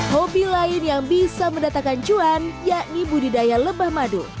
hobi lain yang bisa mendatakan cuan yakni budidaya lebah madu